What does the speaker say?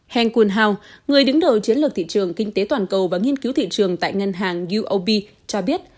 heng kuen hau người đứng đầu chiến lược thị trường kinh tế toàn cầu và nghiên cứu thị trường tại ngân hàng uob cho biết